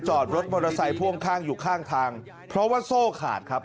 จอดรถมอเตอร์ไซค์พ่วงข้างอยู่ข้างทางเพราะว่าโซ่ขาดครับ